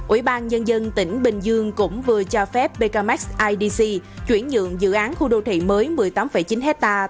ủy ban nhân dân tỉnh bình dương cũng vừa cho phép pekamex idc chuyển nhượng dự án khu đô thị mới một mươi tám chín ha